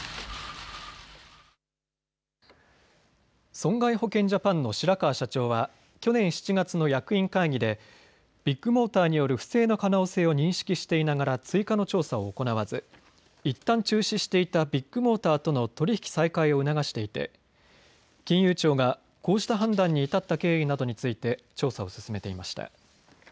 損害保険ジャパンの白川社長は去年７月の役員会議でビッグモーターによる不正の可能性を認識していながら追加の調査を行わずいったん中止していたビッグモーターとの取り引き再開を促していて金融庁がこうした判断に至った経緯などについて調査を進めていました。